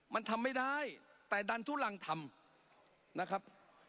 มันทำไม่ได้แต่ดันทุลังทำนะครับ